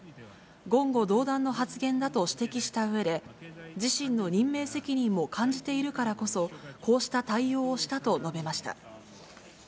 言語道断の発言だと指摘したうえで、自身の任命責任も感じているからこそ、こうした対応をしたと述べました。